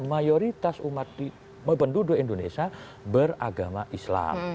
mayoritas umat penduduk indonesia beragama islam